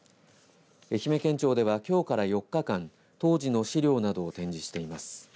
愛媛県庁では、きょうから４日間当時の資料などを展示しています。